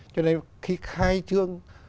cho nên khi khai trương